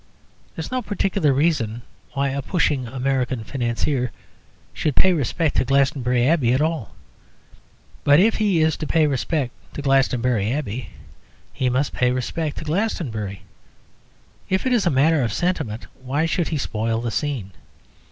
There is no particular reason why a pushing American financier should pay respect to Glastonbury Abbey at all. But if he is to pay respect to Glastonbury Abbey, he must pay respect to Glastonbury. If it is a matter of sentiment, why should he spoil the scene?